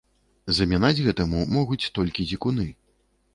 Замінаць гэтаму могуць толькі дзікуны.